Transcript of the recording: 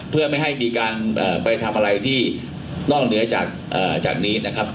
เพื่อไม่ให้มีการไปทำอะไรที่นอกเหนือจากนี้นะครับ